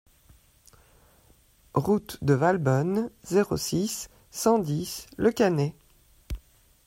Route de Valbonne, zéro six, cent dix Le Cannet